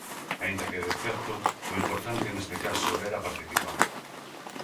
Aínda que, de certo, o importante neste caso era participar.